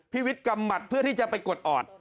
วิทย์กำหมัดเพื่อที่จะไปกดออด